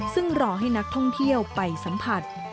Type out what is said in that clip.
ซึ่งรอให้นักท่องเที่ยวไปสัมผัส